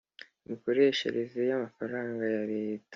mikoreshereze y amafaranga ya Leta